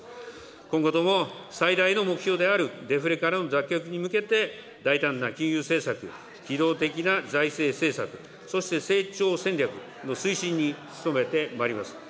今後とも最大の目標であるデフレからの脱却に向けて、大胆な金融政策、機動的な財政政策、そして成長戦略の推進に努めてまいります。